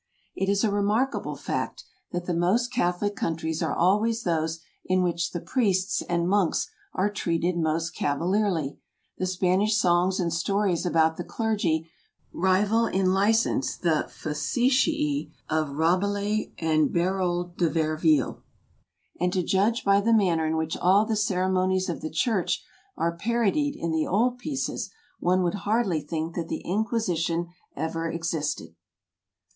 It is a remarkable fact that the most Catholic countries are always those in which the priests and monks are treated most cavalierly; the Spanish songs and stories about the clergy rival in license the facetiae of Rabelais and Beroalde de Verville, and to judge by the manner in which all the ceremonies of the church are paro died in the old pieces, one would hardly think that the In quisition ever existed.